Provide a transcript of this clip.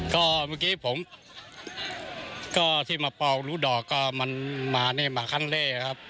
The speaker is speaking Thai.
ก็เมื่อกี้ผมก็ที่มาเป่ารู้ดอกก็มันมานี่มาครั้งแรกครับ